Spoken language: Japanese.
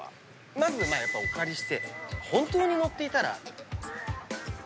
まずやっぱお借りして。